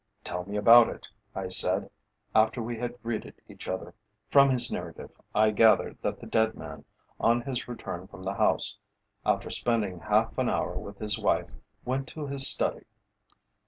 "Tell me about it," I said, after we had greeted each other. From his narrative I gathered that the dead man, on his return from the House, after spending half an hour with his wife, went to his study.